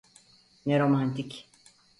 Ne romantik!